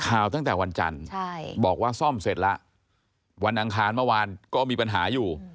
ตั้งแต่วันจันทร์บอกว่าซ่อมเสร็จแล้ววันอังคารเมื่อวานก็มีปัญหาอยู่